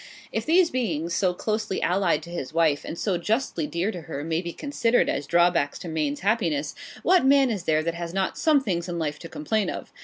If these beings, so closely allied to his wife, and so justly dear to her, may be considered as drawbacks to Maine's happiness, what man is there that has not some things in life to complain of?